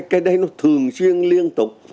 cái đấy nó thường xuyên liên tục